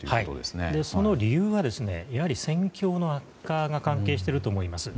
その理由は、やはり戦況の悪化が関係していると思います。